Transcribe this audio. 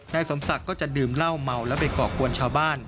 นายสมศักดิ์ก็จะดื่มเหล้าเมาแล้วไปก่อกวนชาวบ้าน